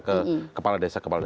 ke kepala desa